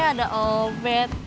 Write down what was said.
eh ada oh bet